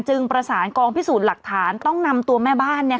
ประสานกองพิสูจน์หลักฐานต้องนำตัวแม่บ้าน